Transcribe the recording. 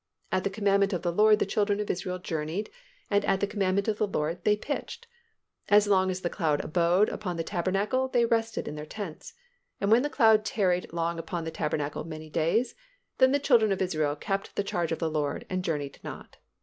At the commandment of the LORD the children of Israel journeyed, and at the commandment of the LORD they pitched: as long as the cloud abode upon the tabernacle they rested in their tents. And when the cloud tarried long upon the tabernacle many days, then the children of Israel kept the charge of the LORD, and journeyed not.